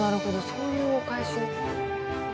そういうお返し。